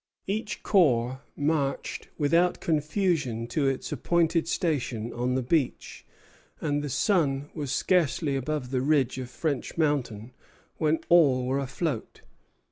Each corps marched without confusion to its appointed station on the beach, and the sun was scarcely above the ridge of French Mountain when all were afloat.